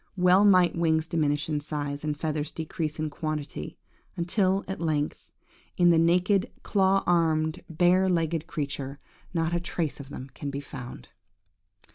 Well might wings diminish in size, and feathers decrease in quantity, until at length, in the naked, claw armed, bare legged creature, not a trace of them could be found!